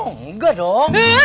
oh enggak dong